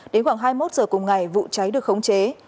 đến khoảng hai mươi một h cùng ngày vụ cháy được khống chế